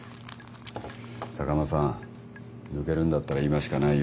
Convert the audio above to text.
坂間さん抜けるんだったら今しかないよ。